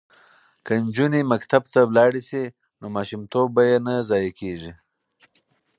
که نجونې مکتب ته لاړې شي نو ماشوم توب به یې نه ضایع کیږي.